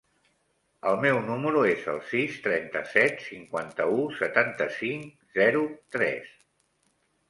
El meu número es el sis, trenta-set, cinquanta-u, setanta-cinc, zero, tres.